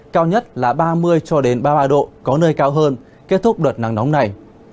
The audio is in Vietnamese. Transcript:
cao nhất là ba mươi ba mươi ba độ có nơi cao hơn kết thúc đợt nắng nóng này